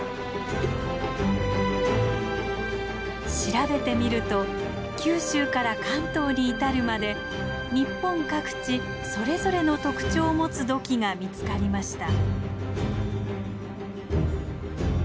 調べてみると九州から関東に至るまで日本各地それぞれの特徴を持つ土器が見つかりました。